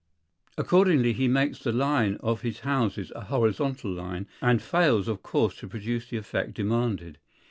Accordingly he makes the line of his houses a horizontal line, and fails of course to produce the effect demanded.